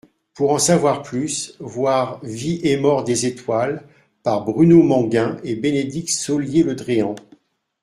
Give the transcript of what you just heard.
Pour en savoir plus voir Vie et mort des étoiles par Bruno Manguin et Bénédicte Saulier-Le Dréan.